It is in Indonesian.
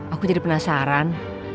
aku jadi penasaran